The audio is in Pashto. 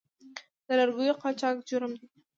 د لرګیو قاچاق جرم دی